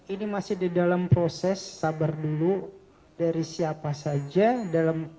ini masih di dalam proses sabar dulu dari siapa saja